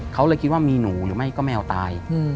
เขาเลยคิดว่ามีหนูหรือไม่ก็แมวตาย